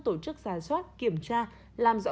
tổ chức giả soát kiểm tra làm rõ